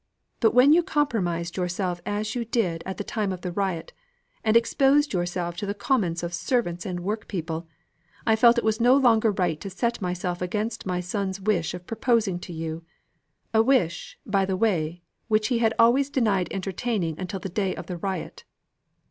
But when you compromised yourself as you did at the time of the riot, and exposed yourself to the comments of servants and workpeople, I felt it was no longer right to set myself against my son's wish of proposing to you a wish, by the way, which he had always denied entertaining until the day of the riot."